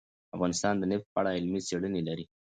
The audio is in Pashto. افغانستان د نفت په اړه علمي څېړنې لري.